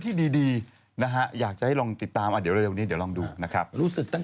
พอประสบความสำเร็จอย่างสูง